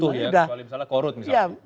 kecuali misalnya korup misalnya